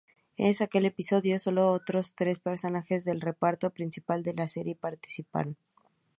En aquel episodio, sólo otros tres personajes del reparto principal de la serie participaron.